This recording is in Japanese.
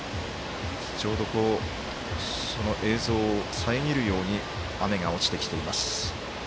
ちょうど、その映像を遮るように雨が落ちてきています。